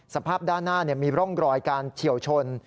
สภาพด้านหน้ามีร่องรอยการเฉียวชน